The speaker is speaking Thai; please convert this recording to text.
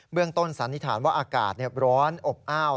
ต้นสันนิษฐานว่าอากาศร้อนอบอ้าว